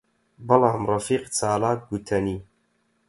بەڵام ڕەفیق چالاک گوتەنی: